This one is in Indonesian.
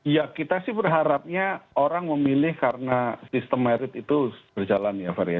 ya kita sih berharapnya orang memilih karena sistem merit itu berjalan ya ferry ya